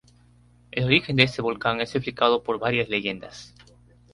El origen de este volcán es explicado por varias leyendas.